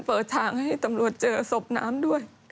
เปิดทางให้ตำรวจเจอศพน้ำด้วย